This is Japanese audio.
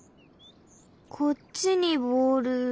こっちにボール。